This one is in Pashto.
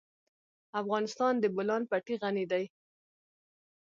افغانستان په د بولان پټي غني دی.